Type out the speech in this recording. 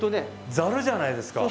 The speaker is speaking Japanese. ざるじゃないですか。